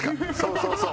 そうそう。